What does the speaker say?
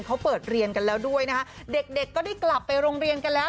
เขาเปิดเรียนกันแล้วด้วยนะคะเด็กเด็กก็ได้กลับไปโรงเรียนกันแล้ว